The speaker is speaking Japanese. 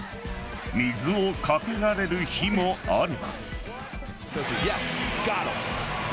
水をかけられる日もあれば。